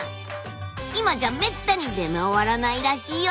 今じゃめったに出回らないらしいよ。